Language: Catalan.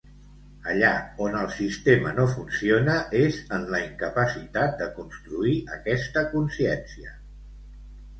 Allà on el sistema no funciona és en la incapacitat de construir aquesta consciència.